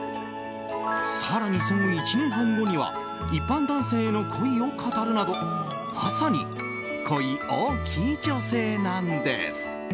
更にその１年半後には一般男性への恋を語るなどまさに恋多き女性なんです。